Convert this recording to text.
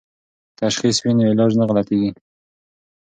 که تشخیص وي نو علاج نه غلطیږي.